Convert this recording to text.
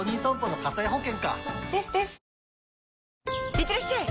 いってらっしゃい！